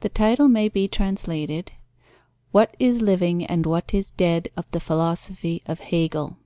The title may be translated, "What is living and what is dead of the philosophy of Hegel."